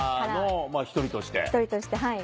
１人としてはい。